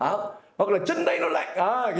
hoặc là chân đây nó lạnh